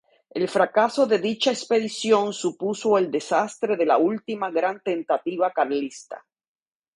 El fracaso de dicha expedición supuso el desastre de la última gran tentativa carlista.